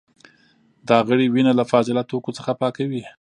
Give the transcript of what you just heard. دا غړي وینه له فاضله توکو څخه پاکوي.